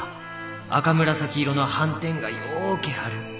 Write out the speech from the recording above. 赤紫色の斑点がようけある。